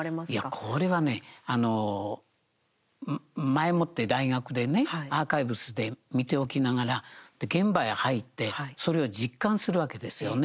これはね前もって大学でねアーカイブスで見ておきながら現場へ入ってそれを実感するわけですよね。